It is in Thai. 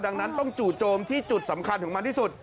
ดังนั้นต้องจู่โจมที่จุดสำคัญของมันที่สุด